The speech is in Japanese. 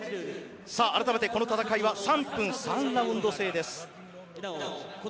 改めてこの戦いは３分３ラウンド制。